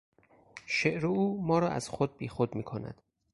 شعر او ما را از خود بی خود میکند.